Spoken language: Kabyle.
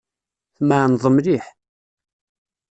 Tmeεneḍ mliḥ.